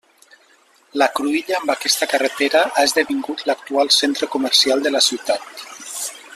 La cruïlla amb aquesta carretera ha esdevingut l'actual centre comercial de la ciutat.